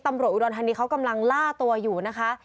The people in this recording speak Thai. อุดรธานีเขากำลังล่าตัวอยู่นะคะ